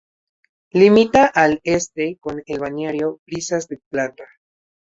Limita al este con el balneario Brisas del Plata.